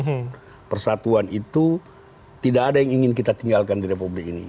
karena di dalam persatuan itu tidak ada yang ingin kita tinggalkan di republik ini